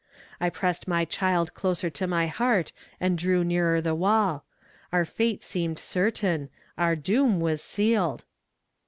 I pressed my child closer to my heart and drew nearer the wall. Our fate seemed certain our doom was sealed.